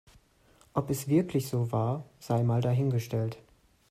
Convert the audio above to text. Ob es wirklich so war, sei mal dahingestellt.